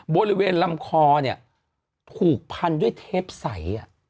บริเวณลำคอเนี่ยถูกพันด้วยเทปใส